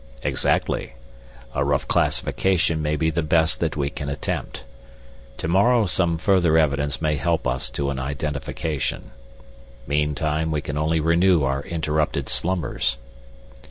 "Exactly. A rough classification may be the best that we can attempt. To morrow some further evidence may help us to an identification. Meantime we can only renew our interrupted slumbers."